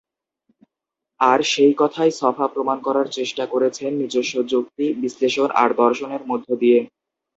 আর সেই কথাই ছফা প্রমাণ করার চেষ্টা করেছেন নিজস্ব যুক্তি, বিশ্লেষণ আর দর্শনের মধ্য দিয়ে।